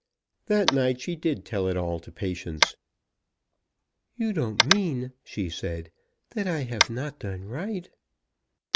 That night she did tell it all to Patience. "You don't mean," she said, "that I have not done right?"